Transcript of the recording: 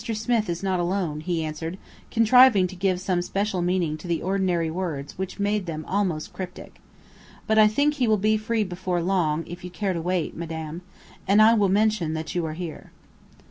Smith is not alone," he answered, contriving to give some special meaning to the ordinary words which made them almost cryptic. "But I think he will be free before long, if you care to wait, madame, and I will mention that you are here."